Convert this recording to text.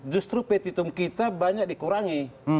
justru petitum kita banyak dikurangi